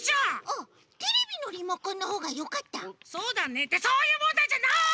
そうだねってそういうもんだいじゃない！